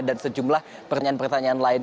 dan sejumlah pertanyaan pertanyaan lain